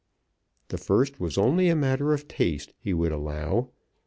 The first was only a matter of taste, he would allow.